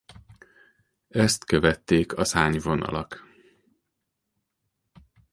Ezt követték a szárnyvonalak.